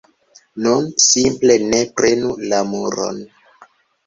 Nun, simple ne prenu la muron